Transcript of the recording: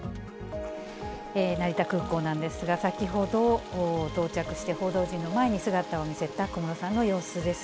成田空港なんですが、先ほど到着して、報道陣の前に姿を見せた小室さんの様子です。